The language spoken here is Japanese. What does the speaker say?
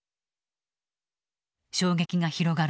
衝撃が広がる中